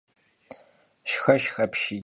Şşxoşşx apşiy!